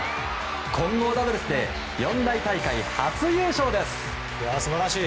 混合ダブルスで四大大会初優勝です。